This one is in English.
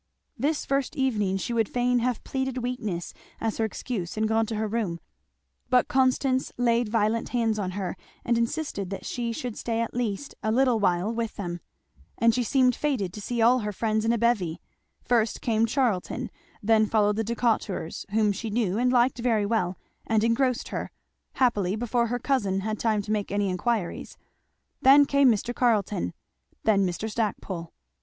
This first evening she would fain have pleaded weakness as her excuse and gone to her room, but Constance laid violent hands on her and insisted that she should stay at least a little while with them. And she seemed fated to see all her friends in a bevy. First came Charlton; then followed the Decaturs, whom she knew and liked very well, and engrossed her, happily before her cousin had time to make any enquiries; then came Mr. Carleton; then Mr. Stackpole.